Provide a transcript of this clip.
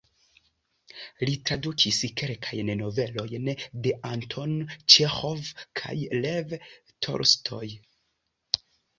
Li tradukis kelkajn novelojn de Anton Ĉeĥov kaj Lev Tolstoj.